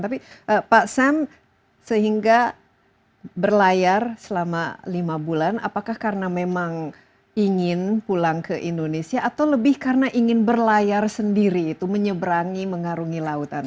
tapi pak sam sehingga berlayar selama lima bulan apakah karena memang ingin pulang ke indonesia atau lebih karena ingin berlayar sendiri itu menyeberangi mengarungi lautan